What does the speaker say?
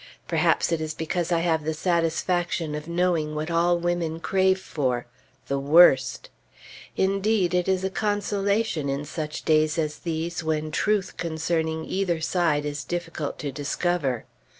Perhaps it is because I have the satisfaction of knowing what all women crave for the Worst. Indeed it is a consolation in such days as these when truth concerning either side is difficult to discover.